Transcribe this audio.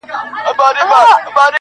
له اسمانه درته زرکي راولمه -